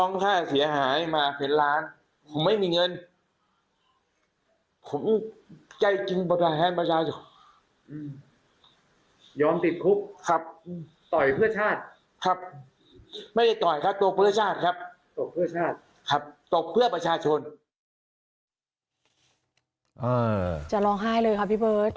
น้ำตาซึมเลยนะครับ